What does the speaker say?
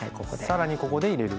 更にここで入れる。